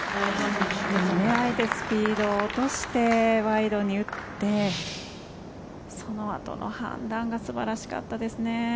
あえてスピードを落としてワイドに打ってそのあとの判断が素晴らしかったですね。